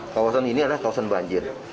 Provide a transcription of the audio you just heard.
kawasan ini adalah kawasan banjir